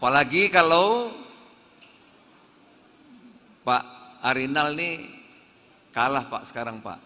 apalagi kalau pak arinal ini kalah pak sekarang pak